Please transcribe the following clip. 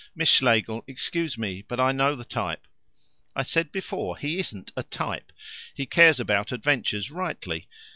"Miss Schlegel, excuse me, but I know the type." "I said before he isn't a type. He cares about adventures rightly.